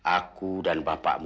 aku dan bapakmu